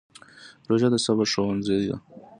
روژه د صبر ښوونځی دی.